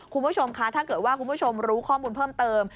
คุณผู้ชมคะถ้าเกิดว่าคุณผู้ชมรู้ข้อมูลเพิ่มเติม